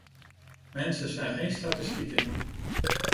Mensen zijn geen statistieken.